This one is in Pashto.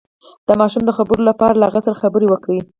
د ماشوم د خبرو لپاره له هغه سره خبرې وکړئ